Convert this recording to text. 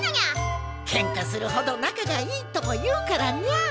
ケンカするほど仲がいいとも言うからにゃ。